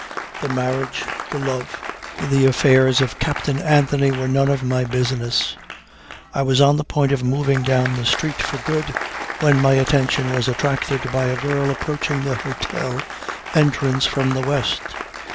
The marriage, the love, the affairs of Captain Anthony were none of my business. I was on the point of moving down the street for good when my attention was attracted by a girl approaching the hotel entrance from the west.